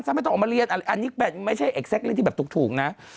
ซ้ำให้ตอบออกมาเรียนอันนี้แบบไม่ใช่แอคเซ็กต์เล่นที่แบบถูกนะ